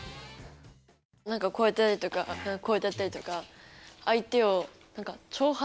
なんかこうやったりとかこうやってやったりとか。